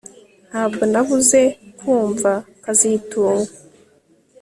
Ntabwo nabuze kumva kazitunga